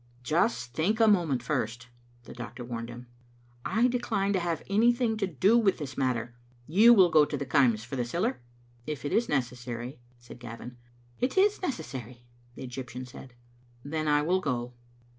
"Just think a moment first," the doctor warned him. "I decline to have anything to do with this matter. You will go to the Kaims for the siller?" " If it is necessary," said Gavin. " It is necessary," the Egyptian said. "Then I will go."